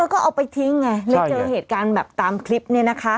ก็เอาไปทิ้งไงเลยเจอเหตุการณ์แบบตามคลิปนี้นะคะ